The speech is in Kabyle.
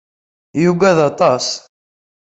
Yugad aṭas.